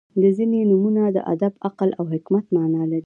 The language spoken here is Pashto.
• ځینې نومونه د ادب، عقل او حکمت معنا لري.